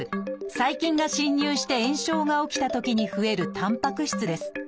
細菌が侵入して炎症が起きたときに増えるたんぱく質です。